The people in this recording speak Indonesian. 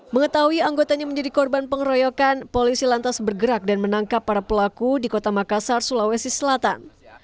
mengetahui anggotanya menjadi korban pengeroyokan polisi lantas bergerak dan menangkap para pelaku di kota makassar sulawesi selatan